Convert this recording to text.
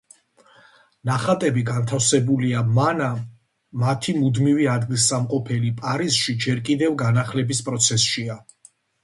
ნახატები განთავსებულია მანამ, მათი მუდმივი ადგილსამყოფელი პარიზში ჯერ კიდევ განახლების პროცესშია.